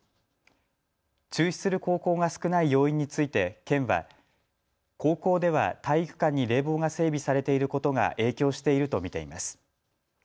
中止する高校が少ない要因について県は高校では体育館に冷房が整備されていることが影響していると見ています。